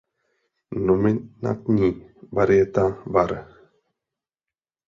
Nominátní varieta var.